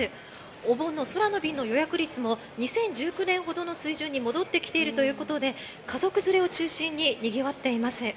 お盆の空の便の予約率も２０１９年ほどの水準に戻ってきているということで家族連れを中心ににぎわっています。